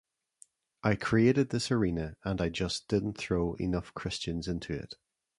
I created this arena and I just didn't throw enough Christians into it.